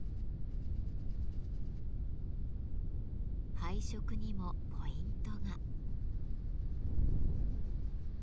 配色にもポイントが。